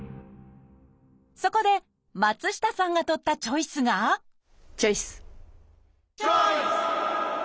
そこで松下さんがとったチョイスがチョイス！